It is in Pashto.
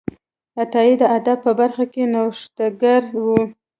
عطایي د ادب په برخه کې نوښتګر و.